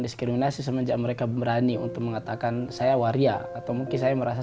diskriminasi semenjak mereka berani untuk mengatakan saya waria atau mungkin saya merasa